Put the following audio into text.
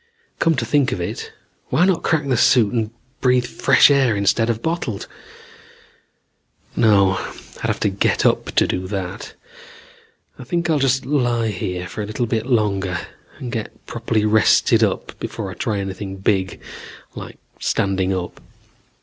"Come to think of it, why not crack the suit and breath fresh air instead of bottled? "No. I'd have to get up to do that. I think I'll just lie here a little bit longer and get properly rested up before I try anything big like standing up.